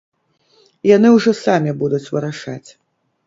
Яны ўжо самі будуць вырашаць.